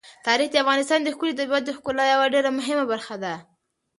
تاریخ د افغانستان د ښکلي طبیعت د ښکلا یوه ډېره مهمه برخه ده.